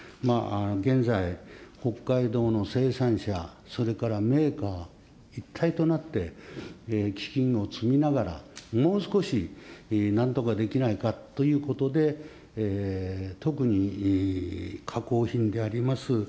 現在、北海道の生産者、それからメーカー一体となって、基金を積みながら、もう少しなんとかできないかということで、特に加工品であります